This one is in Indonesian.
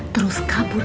terus kabur ya